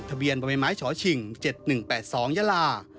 ทะเบียนบำไม้ไม้ชอชิง๗๑๘๒ยาลา